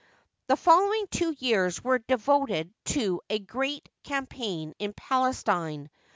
The following two years were devoted to a great cam paign in Palestine.